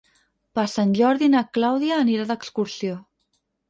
Per Sant Jordi na Clàudia anirà d'excursió.